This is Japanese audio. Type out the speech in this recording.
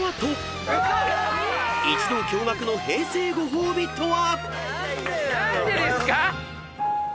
［一同驚愕の平成ご褒美とは⁉］